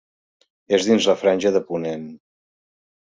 És dins la Franja de Ponent.